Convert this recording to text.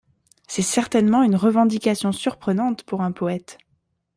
C'est certainement une revendication surprenante pour un poète.